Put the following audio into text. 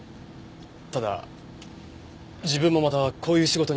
ただ自分もまたこういう仕事に戻れればと。